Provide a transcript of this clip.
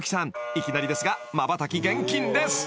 ［いきなりですがまばたき厳禁です］